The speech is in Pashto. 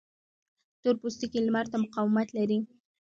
تور پوستکی لمر ته مقاومت لري